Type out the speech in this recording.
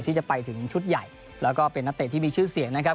ที่จะไปถึงชุดใหญ่แล้วก็เป็นนักเตะที่มีชื่อเสียงนะครับ